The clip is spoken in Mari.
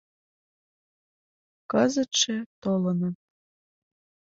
Кызытше толыныт...